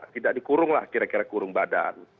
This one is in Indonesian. tidak dikurung lah kira kira kurung badan